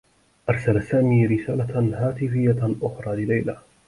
أرسل سامي رسالة هاتفيّة أخرى لليلى.